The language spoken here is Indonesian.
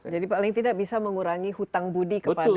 jadi paling tidak bisa mengurangi hutang budi kepada pihak ketiga